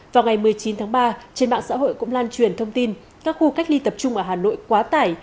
vào ngày một mươi chín tháng ba trên mạng xã hội cũng lan truyền thông tin các khu cách ly tập trung ở hà nội quá tải